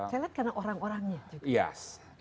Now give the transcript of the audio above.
saya lihat karena orang orangnya juga